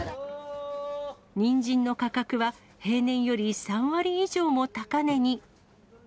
にんじんの価格は、平年より３割以上も高値に。